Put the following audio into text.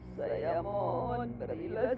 saya mohon berilah